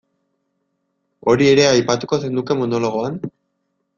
Hori ere aipatuko zenuke monologoan?